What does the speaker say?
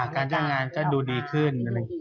การจ้างงานก็ดูดีขึ้น